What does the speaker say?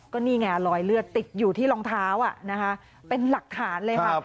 ก็นี่ไงรอยเลือดติดอยู่ที่รองเท้านะคะเป็นหลักฐานเลยค่ะ